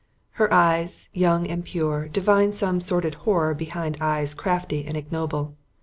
Her eyes, young and pure, divined some sordid horror behind eyes crafty and ignoble.